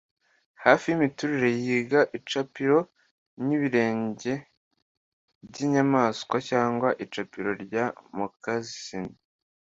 Hafi yimiturire yiga icapiro ryibirenge byinyamaswa, cyangwa icapiro rya moccasin,